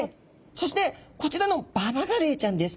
そしてこちらのババガレイちゃんです。